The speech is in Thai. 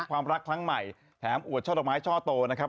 ความรักครั้งใหม่แถมอวดช่อดอกไม้ช่อโตนะครับ